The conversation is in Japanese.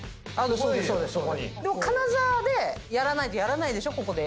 でも金沢でやらないとやらないでしょ？